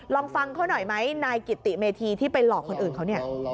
ลองฟังเขาหน่อยไหมนายกิติเมธีที่ไปหลอกคนอื่นเขาเนี่ย